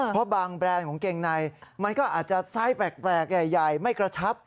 เพราะบางแบรนด์ของเกงในมันก็อาจจะไซส์แปลกใหญ่ไม่กระชับ